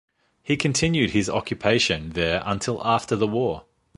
He continued his occupation there until after the war.